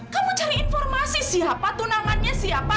kamu cari informasi siapa tunangannya siapa